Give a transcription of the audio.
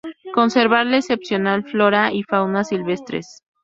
Conservar la excepcional flora y fauna silvestres.